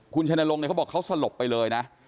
คุณชัยนรงค์เนี่ยเขาบอกเขาสลบไปเลยนะ